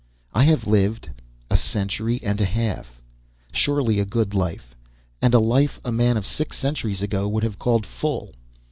I have lived a century and a half. Surely a good life, and a life a man of six centuries ago would have called full.